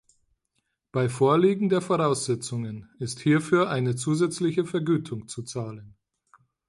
Bei Vorliegen der Voraussetzungen ist hierfür eine zusätzliche Vergütung zu zahlen.